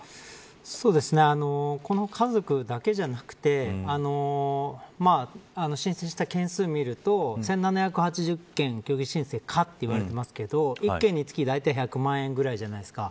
この家族だけじゃなくて申請した件数をみると１７８０件虚偽申請かと言われてますが１件につき、だいたい１００万円くらいじゃないですか。